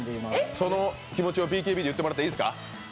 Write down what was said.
その気持ちをＢＫＢで言ってもらっていいですか。